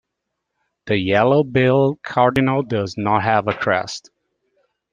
The yellow-billed cardinal does not have a crest.